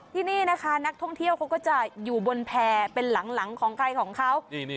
ที่นี่นะคะนักท่องเที่ยวเขาก็จะอยู่บนแพร่เป็นหลังของใครของเขา